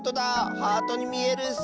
ハートにみえるッス！